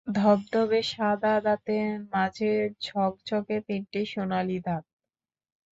ধবধবে সাদা দাঁতের মাঝে ঝকঝকে তিনটি সোনালি দাঁত।